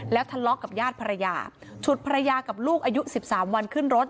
ทะเลาะกับญาติภรรยาฉุดภรรยากับลูกอายุ๑๓วันขึ้นรถ